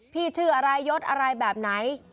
ชื่ออะไรยดอะไรแบบไหน